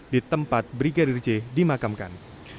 di tempat brigadir j dimakamkan